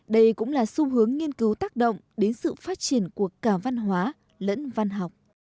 đây cũng là xu hướng nghiên cứu tác động đến sự phát triển của cả văn hóa lẫn văn học